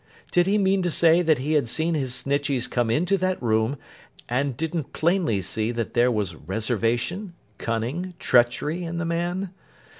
Did he mean to say that he had seen his Snitcheys come into that room, and didn't plainly see that there was reservation, cunning, treachery, in the man?